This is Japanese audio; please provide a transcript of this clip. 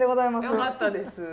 よかったです。